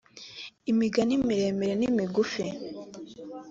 imigani miremire n’imigufi